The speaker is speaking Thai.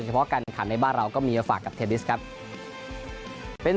เฉพาะการขันในบ้านเราก็มีมาฝากกับเทนนิสครับเป็น